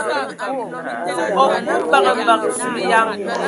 O ku mbǝg mbǝg ! Zulǝyan.